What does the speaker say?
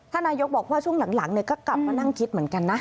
ถ้านายกบอกว่าช่วงหลังหลังเนี่ยก็กลับมานั่งคิดเหมือนกันนะ